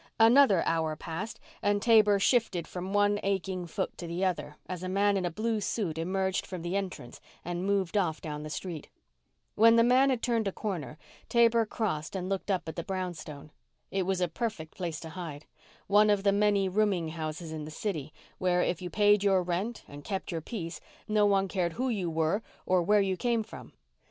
Another hour passed and Taber shifted from one aching foot to the other as a man in a blue suit emerged from the entrance and moved off down the street. When the man had turned a corner, Taber crossed over and looked up at the brownstone. It was a perfect place to hide one of the many rooming houses in the city where, if you paid your rent and kept your peace, no one cared who you were or where you came from.